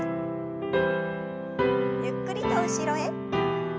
ゆっくりと後ろへ。